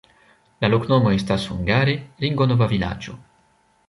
La loknomo estas hungare: ringo-nova-vilaĝo.